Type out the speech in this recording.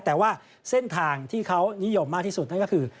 แต่ว่าเส้นทางที่เขานิยมมากที่สุดนั่นก็คือ